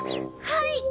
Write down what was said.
はい！